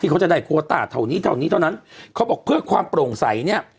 เขาบอกเพื่อความโปร่งใสเนี่ย